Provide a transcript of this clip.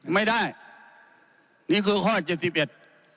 ไม่ได้นี่คือข้อเจ็ดสิบเอ็ด